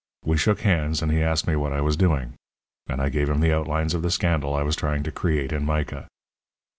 We shook hands, and he asked me what I was doing, and I gave him the outlines of the scandal I was trying to create in mica.